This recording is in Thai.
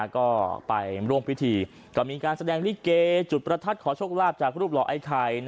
ก็ไปร่วมพิธีก็มีการแสดงลิเกจุดประทัดขอโชคลาภจากรูปหล่อไอ้ไข่